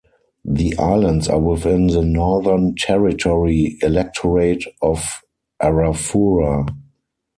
The islands are within the Northern Territory electorate of Arafura.